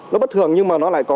nó bất thường nhưng mà nó lại có